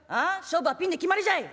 勝負はピンで決まりじゃい！」。